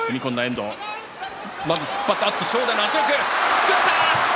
すくった！